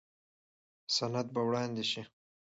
سند به وړاندې شي.